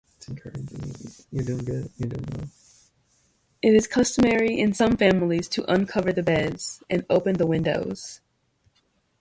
It is customary in some families to uncover the beds and open the windows.